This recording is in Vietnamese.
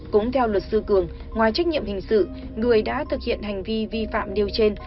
cũng theo luật sư cường ngoài trách nhiệm hình sự người đã thực hiện hành vi vi phạm điều trên